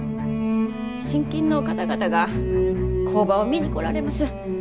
信金の方々が工場を見に来られます。